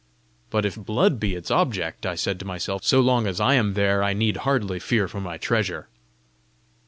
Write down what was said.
"But, if blood be its object," I said to myself, "so long as I am there, I need hardly fear for my treasure!"